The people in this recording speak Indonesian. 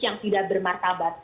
yang tidak bermartabat